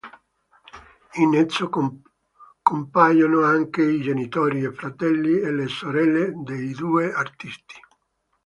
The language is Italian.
In esso compaiono anche i genitori, i fratelli e le sorelle dei due artisti.